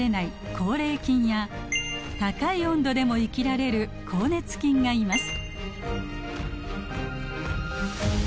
好冷菌や高い温度でも生きられる好熱菌がいます。